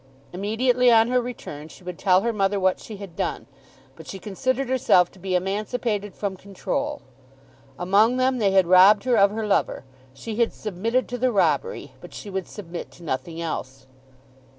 Immediately on her return she would tell her mother what she had done. But she considered herself to be emancipated from control. Among them they had robbed her of her lover. She had submitted to the robbery, but she would submit to nothing else.